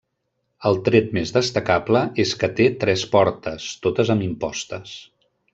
El tret més destacable és que té tres portes, totes amb impostes.